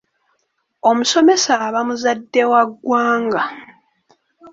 Omusomesa aba muzadde wa ggwanga.